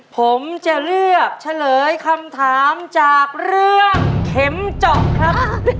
ผมจะเลือกเฉลยคำถามจากเรื่องเข็มเจาะครับ